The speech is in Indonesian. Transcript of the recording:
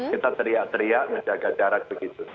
kita teriak teriak menjaga jarak begitu